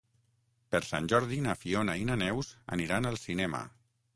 Per Sant Jordi na Fiona i na Neus aniran al cinema.